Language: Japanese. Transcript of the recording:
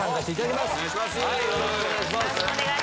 よろしくお願いします。